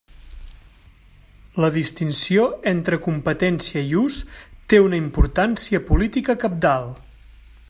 La distinció entre competència i ús té una importància política cabdal.